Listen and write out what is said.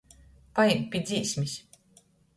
Pajimt pi dzīsmis.